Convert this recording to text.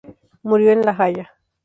Murió en La Haya.